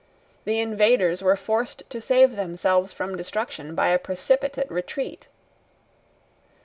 The invaders were forced to save themselves from destruction by a precipitate retreat.